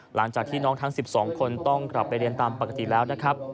หลังจากที่น้องทั้ง๑๒คนต้องกลับไปเรียนตามปกติแล้วนะครับ